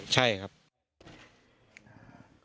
ใช่ครับ